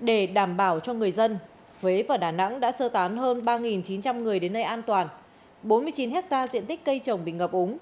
để đảm bảo cho người dân huế và đà nẵng đã sơ tán hơn ba chín trăm linh người đến nơi an toàn bốn mươi chín hectare diện tích cây trồng bị ngập úng